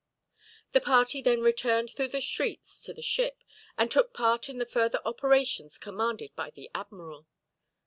The party then returned through the streets to the ship, and took part in the further operations commanded by the admiral.